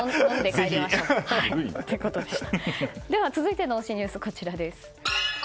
では続いての推しニュースです。